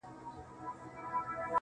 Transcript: نن والله پاك ته لاسونه نيسم.